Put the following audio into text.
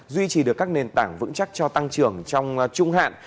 duy trì được các nền tảng vững chắc cho tăng trưởng trong trung hạn